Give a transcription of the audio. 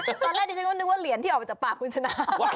ตอนแรกดิฉันก็นึกว่าเหรียญที่ออกมาจากปากคุณชนะ